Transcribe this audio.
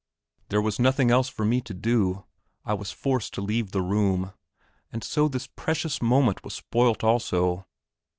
There was nothing else for me to do. I was forced to leave the room. And so this precious moment was spoilt also.